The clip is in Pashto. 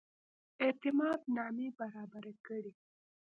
اعتماد نامې برابري کړي.